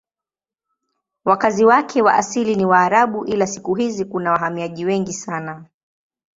Wakazi wake wa asili ni Waarabu ila siku hizi kuna wahamiaji wengi sana.